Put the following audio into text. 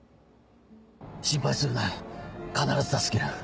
心配するな必ず助ける。